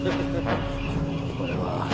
これは。